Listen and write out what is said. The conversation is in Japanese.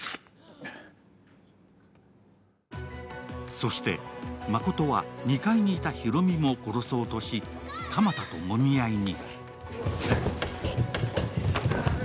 そして、誠は２階にいた広見も殺そうとし、鎌田ともみ合いに。